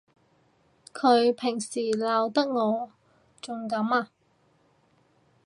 佢平時鬧得我仲甘啊！